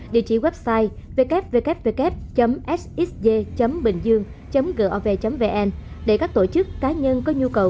địa chỉ website www sxg bìnhdương gov vn để các tổ chức cá nhân có nhu cầu